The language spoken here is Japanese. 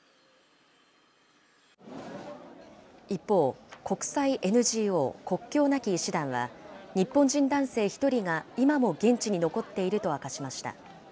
一方、国際ＮＧＯ国境なき医師団は、日本人男性１人が今も現地に残っていると明かしました。